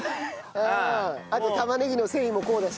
あと玉ねぎの繊維もこうだし。